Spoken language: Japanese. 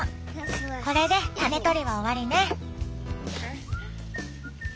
これで種とりは終わりね。